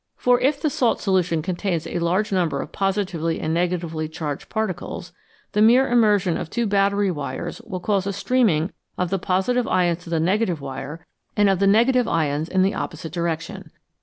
For if the salt solution contains a large number of positively and negatively charged particles, the mere immersion of two battery wires will cause a streaming of the Hons to the negative wire, and of the ions in the opposite direction.